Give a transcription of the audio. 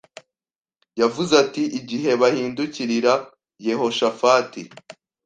Yavuze ati igihe bahindukirira Yehoshafati